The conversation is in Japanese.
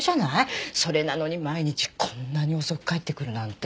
それなのに毎日こんなに遅く帰ってくるなんて。